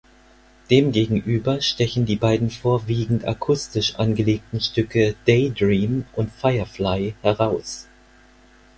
Demgegenüber stechen die beiden vorwiegend akustisch angelegten Stücke "Daydream" und "Firefly" heraus.